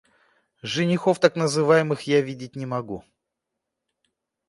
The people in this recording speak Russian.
Женихов так называемых я видеть не могу.